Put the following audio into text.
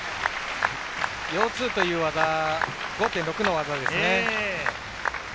ヨー２という技、５．６の技です。